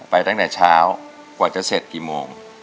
ตั้งแต่เช้ากว่าจะเสร็จกี่โมง